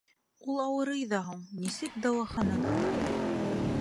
— Ул ауырый ҙа һуң, нисек дауахананан...